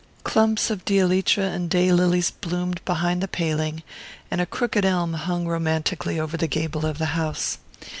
Clumps of dielytra and day lilies bloomed behind the paling, and a crooked elm hung romantically over the gable of the house.